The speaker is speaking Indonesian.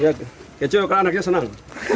iya kecewa kan anaknya senang